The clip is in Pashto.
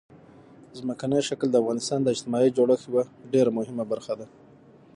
ځمکنی شکل د افغانستان د اجتماعي جوړښت یوه ډېره مهمه برخه ده.